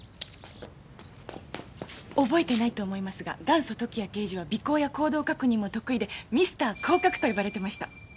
覚えてないと思いますが元祖・時矢刑事は尾行や行動確認も得意で「ミスター行確」と呼ばれてました。